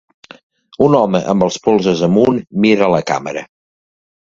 Un home amb els polzes amunt mira a la càmera.